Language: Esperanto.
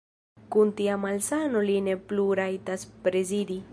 Kun tia malsano li ne plu rajtas prezidi!